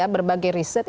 berbagai riset ya